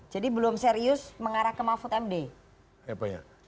jadi belum serius mengarah ke mahfud md